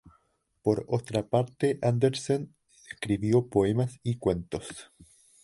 Por otra parte, Andersen escribió poemas y cuentos.